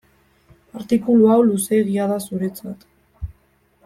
Artikulu hau luzeegia da zuretzat.